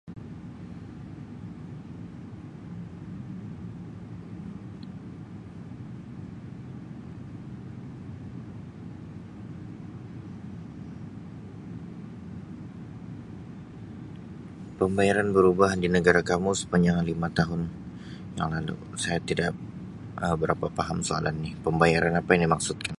Pembayaran berubah di negara kamu sepanjang lima tahun yang lalu saya tidak Um berapa paham soalan ni pembayaran apa yang dimaksudkan.